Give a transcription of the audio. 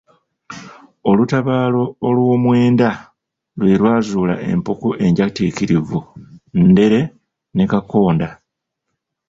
Olutabaalo olw'omwenda lwe lwazuula empuku enjatiikirivu Ndere, ne Kakonda.